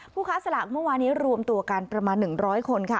ค้าสลากเมื่อวานี้รวมตัวกันประมาณ๑๐๐คนค่ะ